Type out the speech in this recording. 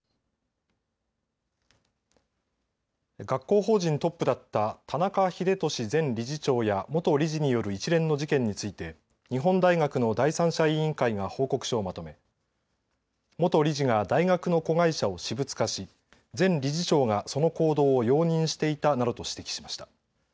学校法人トップだった田中英壽前理事長や元理事による一連の事件について日本大学の第三者委員会が報告書をまとめ元理事が大学の子会社を私物化し前理事長がその行動を容認していたなどと指摘しました。